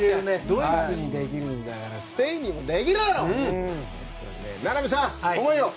ドイツにできるんだからスペインにもできるよ！